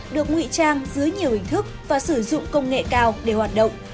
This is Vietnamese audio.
được ngụy trang dưới nhiều hình thức và sử dụng công nghệ cao để hoạt động